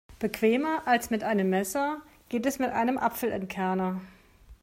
Bequemer als mit einem Messer geht es mit einem Apfelentkerner.